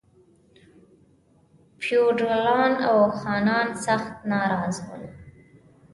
فیوډالان او خانان سخت ناراض ول.